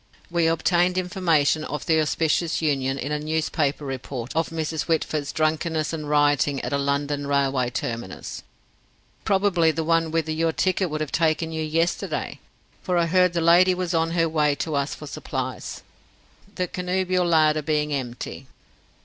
We obtained information of the auspicious union in a newspaper report of Mrs. Whitford's drunkenness and rioting at a London railway terminus probably the one whither your ticket would have taken you yesterday, for I heard the lady was on her way to us for supplies, the connubial larder being empty."